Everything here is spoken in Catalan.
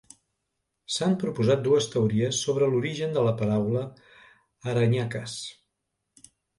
S'han proposat dues teories sobre l'origen de la paraula "Aranyakas".